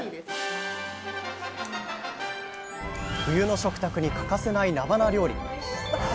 冬の食卓に欠かせないなばな料理。